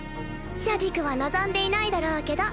シャディクは望んでいないだろうけど。